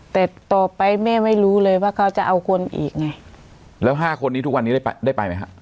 แต่ต่อไปแม่ไม่รู้เลยว่าเขาจะเอาคนอีกไงแล้วห้าคนนี้ทุกวันนี้ได้ไปได้ไปไหมฮะ